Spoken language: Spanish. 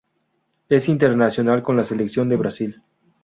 Es internacional con la selección de Brasil.